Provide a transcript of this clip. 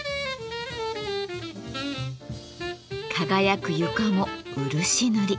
輝く床も漆塗り。